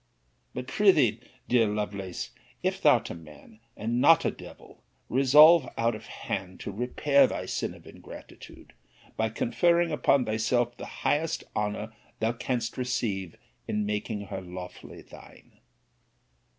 But pr'ythee, dear Lovelace, if thou'rt a man, and not a devil, resolve, out of hand, to repair thy sin of ingratitude, by conferring upon thyself the highest honour thou canst receive, in making her lawfully thine.